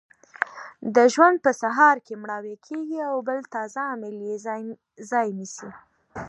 د ژوند په سهار کې مړاوې کیږي او بل تازه عامل یې ځای نیسي.